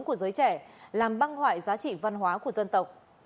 của giới trẻ làm băng hoại giá trị văn hóa của dân tộc